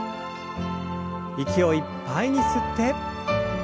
息をいっぱいに吸って。